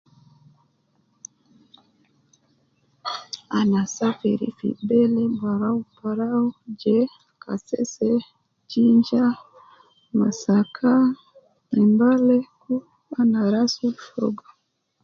Ana safiri fi bele barau barau je kasese, jinja, masaka, mbale kul ana rasul fogo